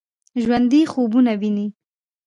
ژوندي خوبونه ويني